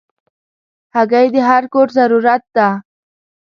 هګۍ د هر کور ضرورت ده.